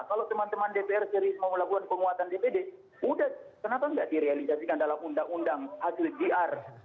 kalau teman teman dpr serius mau melakukan penguatan dpd udah kenapa nggak direalisasikan dalam undang undang hasil dr